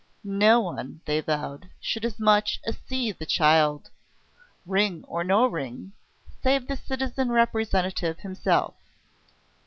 No one, they vowed, should as much as see the child ring or no ring save the citizen Representative himself.